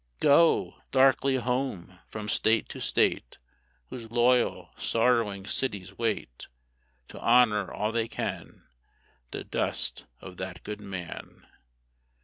Go, darkly borne, from State to State, Whose loyal, sorrowing cities wait To honor all they can The dust of that good man.